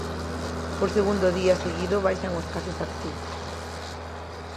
Por segundo día seguido baixan os casos activos.